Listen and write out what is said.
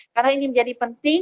karena ini menjadi penting